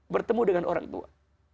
bertemu dengan orang tua